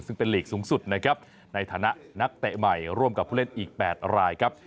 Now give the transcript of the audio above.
ซึ่งเป็นหลีกสูงสุดนะครับในฐานะนักเตะใหม่ร่วมกับผู้เล่นอีก๘รายครับ